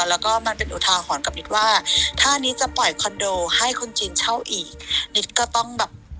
แล้วก็มันเป็นอุทาหรณ์กับนิดว่าถ้านิดจะปล่อยคอนโดให้คนจีนเช่าอีกนิดก็ต้องแบบ